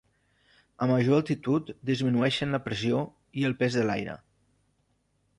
A major altitud disminueixen la pressió i el pes de l'aire.